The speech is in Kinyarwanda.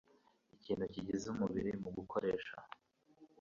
ikintu kigize umubiri Mu gukoresha